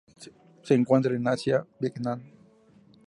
Se encuentran en Asia: Vietnam.